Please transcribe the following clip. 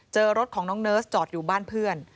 เจอรถของน้องเนิร์สจอดอยู่บ้านเพื่อน